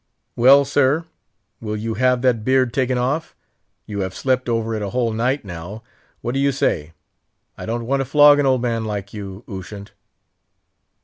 "Well, sir, will you have that beard taken off? you have slept over it a whole night now; what do you say? I don't want to flog an old man like you, Ushant!"